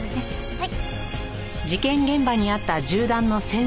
はい。